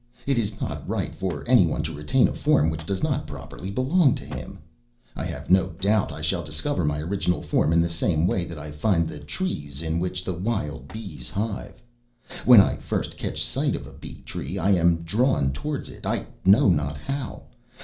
It is not right for any one to retain a form which does not properly belong to him. I have no doubt I shall discover my original form in the same way that I find the trees in which the wild bees hive. When I first catch sight of a bee tree I am drawn towards it, I know not how.